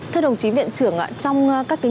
thưa đồng chí viện trưởng ạ trong các cái